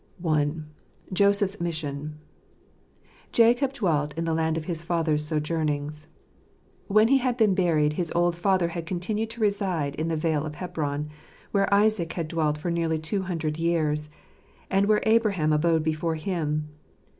I. Joseph's Mission. —" Jacob dwelt in the land of his father's sojournings." When he had buried his old father he continued to reside in the Vale of Hebron, where Isaac had dwelt for nearly two hundred years, and where Abraham abode before him.